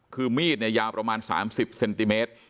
คือมีดเนี่ยยาวประมาณ๓๐เซนติเมตร